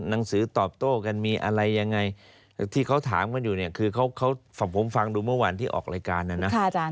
หนังสือตอบโต้กันมีอะไรยังไงที่เขาถามกันอยู่เนี่ยคือเขาผมฟังดูเมื่อวานที่ออกรายการนะนะ